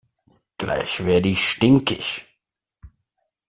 Gleich werde ich stinkig!